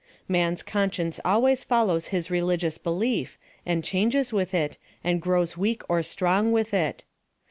Man's conscience always follows his religious belief, and changes with it, and grows weak or strong with it.